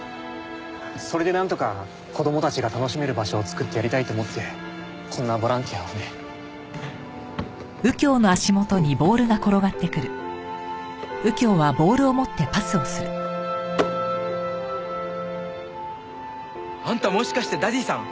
それでなんとか子供たちが楽しめる場所を作ってやりたいと思ってこんなボランティアをね。あっ。あんたもしかしてダディさん？